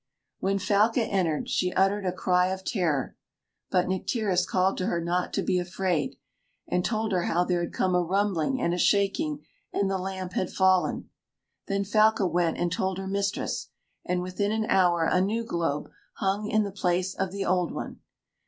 When Falca entered, she uttered a cry of terror. But Nycteris called to her not to be afraid, and told her how there had come a rumbling and a shaking, and the lamp had fallen. Then Falca went and told her mistress, and within an hour a new globe hung in the place of the old one.